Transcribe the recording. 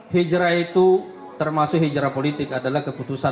hijrah itu termasuk hijrah politik adalah keputusan